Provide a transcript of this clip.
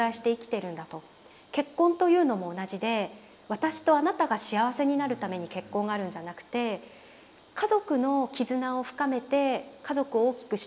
結婚というのも同じで私とあなたが幸せになるために結婚があるんじゃなくて家族の絆を深めて家族を大きくしていくための結婚なんだと。